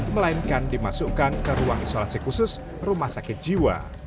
melainkan dimasukkan ke ruang isolasi khusus rumah sakit jiwa